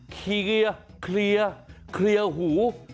เคลียร์คลียร์คลียร์หู